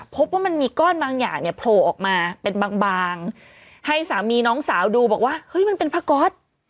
พบว่ามันมีก้อนบางอย่างเนี่ยโผล่ออกมาเป็นบางให้สามีน้องสาวดูบอกว่าเฮ้ยมันเป็นผ้าก๊อต